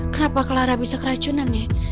kenapa clara bisa keracunan ya